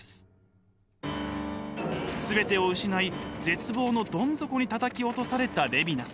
全てを失い絶望のどん底にたたき落とされたレヴィナス。